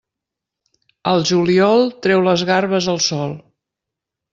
Al juliol, trau les garbes al sol.